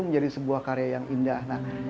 menjadi sebuah karya yang indah